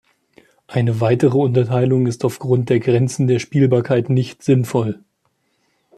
Eine weitere Unterteilung ist aufgrund der Grenzen der Spielbarkeit nicht sinnvoll.